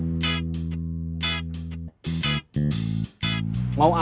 mau apa kamu datang ke rumahnya